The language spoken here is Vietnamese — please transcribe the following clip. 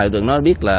đối tượng nó biết là